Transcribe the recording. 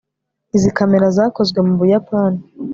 izi kamera zakozwe mu buyapani